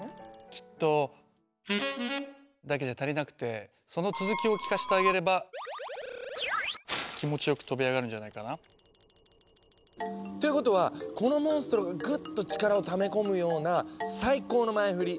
きっと。だけじゃ足りなくてその続きを聞かせてあげれば気持ちよく飛び上がるんじゃないかな。ということはこのモンストロがグッと力をため込むような最高の前フリ